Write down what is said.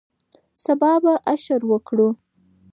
سبا به اشر وکړو